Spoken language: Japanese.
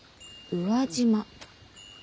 宇和島。